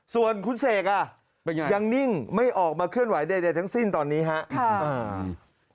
ส่วนคุณเสกอ่ะยังนิ่งไม่ออกมาเคลื่อนไหวใดทั้งสิ้นตอนนี้ครับ